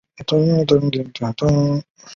崇宁二年进士。